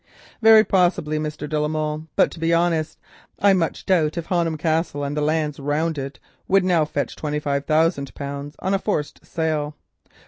"Very possibly, de la Molle, but to be honest, I very much doubt if Honham Castle and the lands round it would now fetch twenty five thousand pounds on a forced sale.